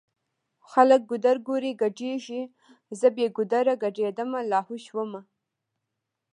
خلکه ګودرګوري ګډيږی زه بې ګودره ګډيدمه لا هو شومه